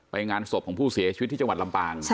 งานศพของผู้เสียชีวิตที่จังหวัดลำปาง